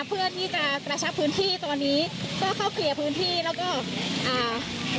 เพื่อที่จะกระชับพื้นที่ตอนนี้ก็เข้าเคลียร์พื้นที่แล้วก็อ่า